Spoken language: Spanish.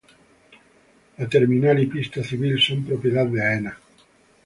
La terminal y pista civil son propiedad de Aena.